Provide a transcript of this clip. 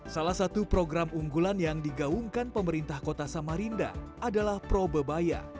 salah satu program unggulan yang digaungkan pemerintah kota samarinda adalah probebaya